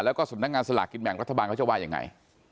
แล้วก็สมนักงานสลักกิจแบบรัฐบาลเขาจะว่าอย่างไร